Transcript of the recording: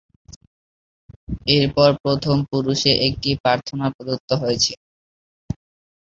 এরপর প্রথম পুরুষে একটি প্রার্থনা প্রদত্ত হয়েছে।